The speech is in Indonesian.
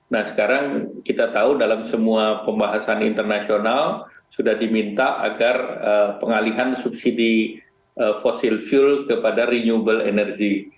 nah sekarang kita tahu dalam semua pembahasan internasional sudah diminta agar pengalihan subsidi fossil fuel kepada renewable energy